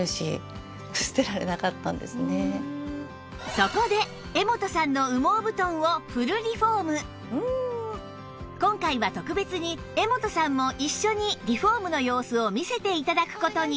そこで今回は特別に絵元さんも一緒にリフォームの様子を見せて頂く事に